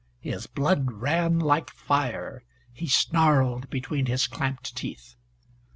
His blood ran like fire. He snarled between his clamped teeth.